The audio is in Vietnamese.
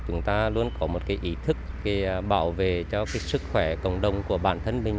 chúng ta luôn có một ý thức để bảo vệ cho sức khỏe cộng đồng của bản thân mình